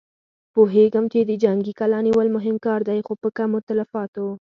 پوهېږم چې د جنګي کلا نيول مهم کار دی، خو په کمو تلفاتو.